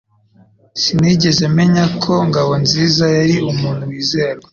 Sinigeze menya ko Ngabonziza yari umuntu wizerwa